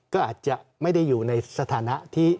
ก็อาจจะไม่ได้อยู่ในสถานะที่